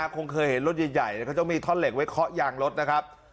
คงเคยเห็นรถใหญ่เขาต้องมีท่อนเหล็กไว้เคาะยางรถนะครับ